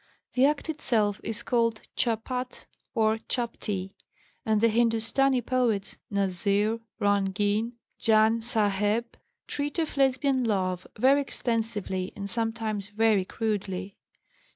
The act itself is called chapat or chapti, and the Hindustani poets, Nazir, Rangin, Ján S'áheb, treat of Lesbian love very extensively and sometimes very crudely.